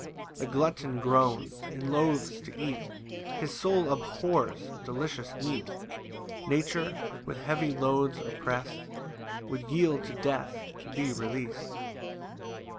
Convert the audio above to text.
3 The glutton groans and loathes to eat, His soul abhors delicious meat; Nature, with heavy loads opprest, Would yield to death to be releas'd.